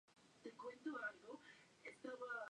Su mandato estuvo abocado a la construcción del muro.